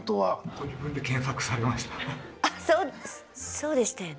そうでしたよね。